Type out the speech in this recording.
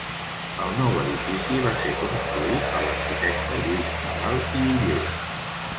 El nou edifici va ser construït per l'arquitecte Lluís Nadal i Oller.